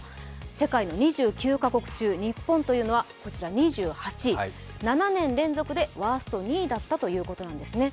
世界の２９か国中、日本は２８位、７年連続でワースト２位だったということなんですね。